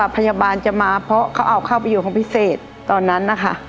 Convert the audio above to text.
เพราะเขาเอาเข้าไปอยู่ของพิเศษตอนนั้นนะคะ